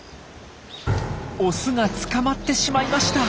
オスが捕まってしまいました。